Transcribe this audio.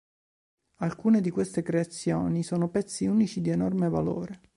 Alcune di queste creazioni sono pezzi unici di enorme valore.